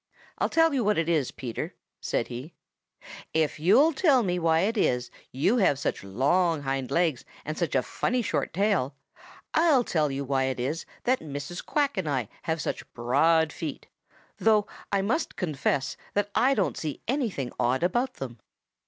"I tell you what it is, Peter," said he, "if you'll tell me why it is you have such long hind legs and such a funny short tail, I'll tell you why it is that Mrs. Quack and I have such broad feet, though I must confess that I don't see anything odd about them."